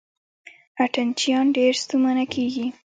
اتڼ چیان ډېر ستومانه کیږي.